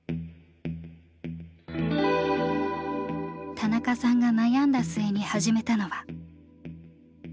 田中さんが悩んだ末に始めたのは。